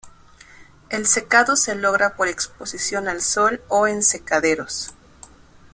El secado se logra por exposición al sol o en secaderos.